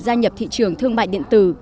gia nhập thị trường thương mại điện tử